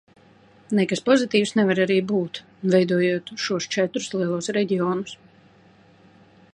Nekas pozitīvs nevar arī būt, veidojot šos četrus lielos reģionus.